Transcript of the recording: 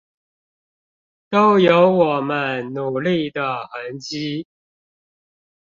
都有我們努力的痕跡